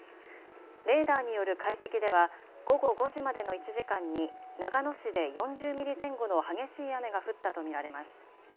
レーダーによる解析では午後５時までの１時間に長野市で４０ミリ前後の激しい雨が降ったと見られます。